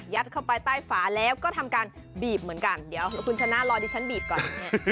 เข้าไปใต้ฝาแล้วก็ทำการบีบเหมือนกันเดี๋ยวคุณชนะรอดิฉันบีบก่อน